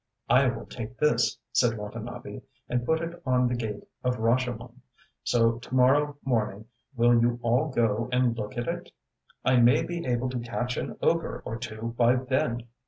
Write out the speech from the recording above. ŌĆ£I will take this, ŌĆØ said Watanabe, ŌĆ£and put it on the Gate of Rashomon, so to morrow morning will you all go and look at it? I may be able to catch an ogre or two by then!